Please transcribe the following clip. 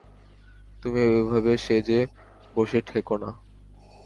তুমিও এভাবে সেজে বসে ঠেকো না।